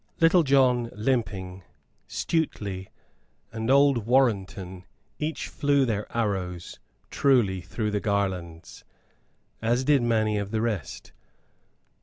Little John, limping, Stuteley and old Warrenton each flew their arrows truly through the garlands, as did many of the rest.